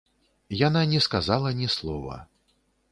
Яна не сказала ні слова.